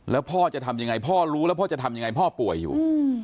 แล้วพ่อจะทำยังไงพ่อรู้แล้วพ่อจะทำยังไงพ่อป่วยอยู่